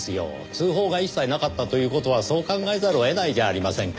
通報が一切なかったという事はそう考えざるを得ないじゃありませんか。